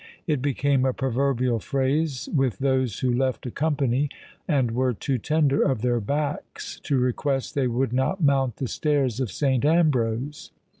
It became a proverbial phrase with those who left a company, and were too tender of their backs, to request they would not "mount the stairs of St. Ambrose."